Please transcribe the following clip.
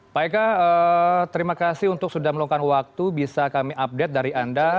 pak eka terima kasih untuk sudah meluangkan waktu bisa kami update dari anda